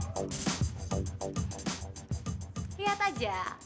kok gue kayak pernah lihat ya